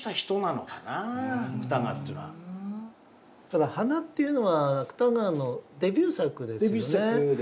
ただ「鼻」っていうのが芥川のデビュー作ですよね。